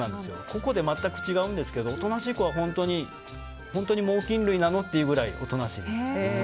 個々で全く違うんですけどおとなしい子は本当に猛禽類なの？っていうぐらいおとなしいです。